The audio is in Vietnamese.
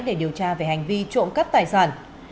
để điều tra về hành vi trộm cắp tài sản